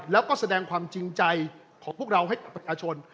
แล้วก็แสดงความจริงใจของพวกเราให้กับประชาชน